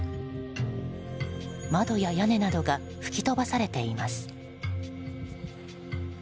窓や屋根などが吹き飛ばされています。